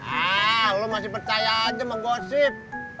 ah lo masih percaya aja sama gosip